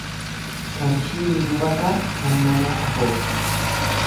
Kanshii ni gubataa kan namaa akoofti.